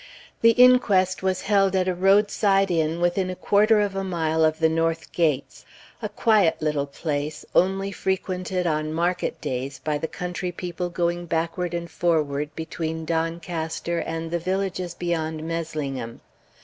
The inquest was held at a roadside inn within a quarter of a mile of the north gates a quiet little place, only frequented on market days by the country people going backward and forward between Doncaster and the villages beyond Meslingham.